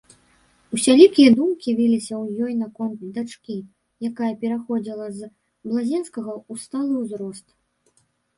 Усялякія думкі віліся ў ёй наконт дачкі, якая пераходзіла з блазенскага ў сталы ўзрост.